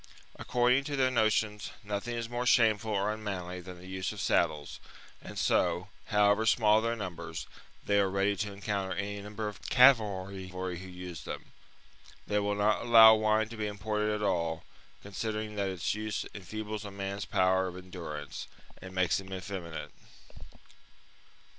According to their notions, nothing is more shameful or unmanly than the use of saddles ; and so, however small their numbers, they are ready to encounter any number of cavalry who use them. They will not allow wine to be imported at all, considering that its use enfeebles a man's power of endurance and makes him effeminate.